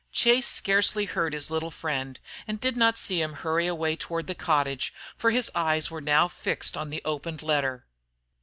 Chase scarcely heard his little friend, and did not see him hurry away toward the cottage, for his eyes were now fixed on the opened letter.